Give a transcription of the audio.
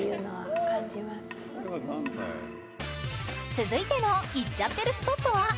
続いてのイッちゃってるスポットは？